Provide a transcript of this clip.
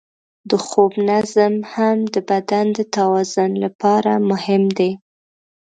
د خوب نظم هم د بدن د توازن لپاره مهم دی.